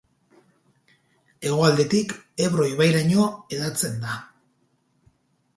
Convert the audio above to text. Hegoaldetik Ebro ibairaino hedatzen da.